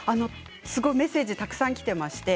メッセージがたくさん来ています。